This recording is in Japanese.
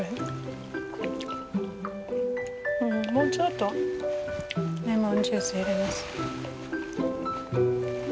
うんもうちょっとレモンジュース入れます。